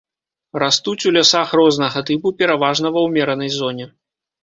Растуць у лясах рознага тыпу пераважна ва ўмеранай зоне.